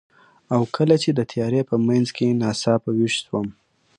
او کله چې د تیارې په منځ کې ناڅاپه ویښ شوم،